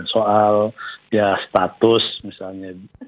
soal ya status misalnya